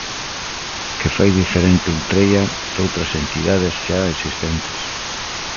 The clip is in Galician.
Que fai diferente Ultreia doutras entidades xa existentes?